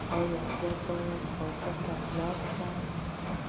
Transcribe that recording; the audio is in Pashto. ایا زه باید واده ته لاړ شم؟